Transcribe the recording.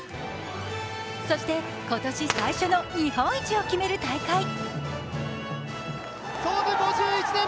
そして、今年最初の日本一を決める大会。